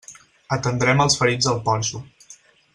Atendrem els ferits al porxo.